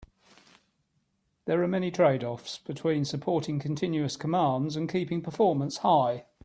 There are many trade-offs between supporting continuous commands and keeping performance high.